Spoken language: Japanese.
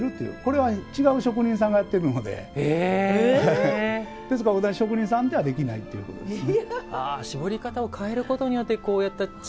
これは違う職人さんがやっているのでですから同じ職人さんじゃないとできないってことですね。